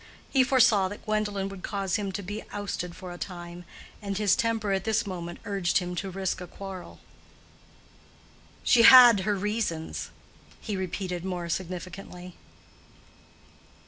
He foresaw that Gwendolen would cause him to be ousted for a time, and his temper at this moment urged him to risk a quarrel. "She had her reasons," he repeated more significantly.